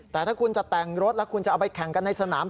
แต่ถ้าคุณจะแต่งรถแล้วคุณจะเอาไปแข่งกันในสนาม